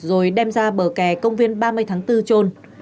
rồi đem ra bờ kè công viên ba mươi tháng bốn trôn